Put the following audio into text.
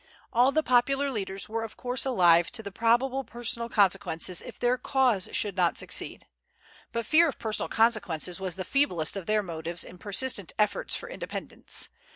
All the popular leaders were of course alive to the probable personal consequences if their cause should not succeed; but fear of personal consequences was the feeblest of their motives in persistent efforts for independence.